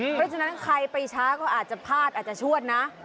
เพราะฉะนั้นใครไปช้าก็อาจจะพลาดอาจจะชวดนะ